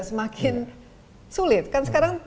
semakin sulit kan sekarang